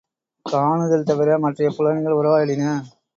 காணுதல் தவிர மற்றைய புலன்கள் உறவாடின.